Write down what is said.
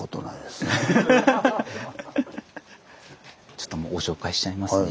ちょっともうご紹介しちゃいますね。